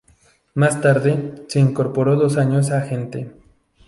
Más tarde, se incorporó dos años a Gente.